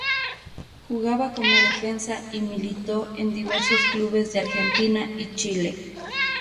Jugaba como defensa y militó en diversos clubes de Argentina y Chile.